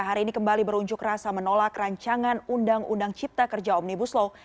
hari ini kembali berunjuk rasa menolak rancangan undang undang cipta kerja omnibus law